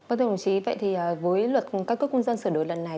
vâng thưa đồng chí vậy thì với luật căn cước công dân sửa đổi lần này